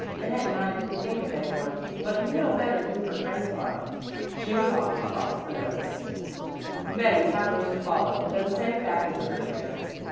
Annette and I couldn't think of any one, but you know better who her friends are." She was off across the green meadow. Betty half rose to follow, then sank back into her chair.